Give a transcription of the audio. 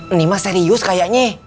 ini emak serius kayaknya